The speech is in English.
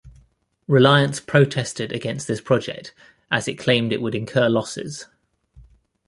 Reliance protested against this project as it claimed it would incur losses.